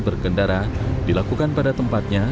berkendara dilakukan pada tempatnya